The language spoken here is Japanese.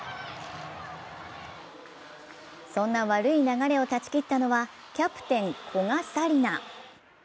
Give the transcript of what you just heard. そんな悪い流れを断ち切ったのはキャプテン・古賀紗理那。